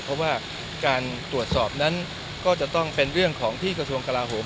เพราะว่าการตรวจสอบนั้นก็จะต้องเป็นเรื่องของที่กระทรวงกลาโหม